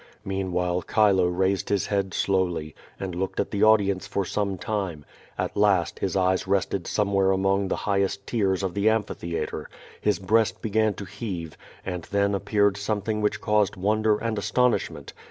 Meanwhile Chilo raised his head slowly, and looked at the audience for some time; at last his eyes rested somewhere among the highest tiers of the amphi theatre; his breast began to heave, and then appeared some thing which caused wonder and astonishment.